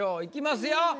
いきますよ。